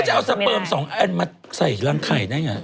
แล้วจะเอาสเปิร์มสองแอ้นมาใส่รังไข่ได้ไง